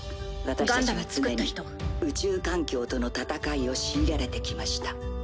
宇宙環境との戦いを強いられてきました。